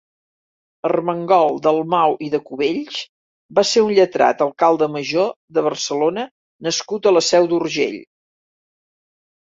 Armengol Dalmau i de Cubells va ser un lletrat, alcalde major de Barcelona nascut a la Seu d'Urgell.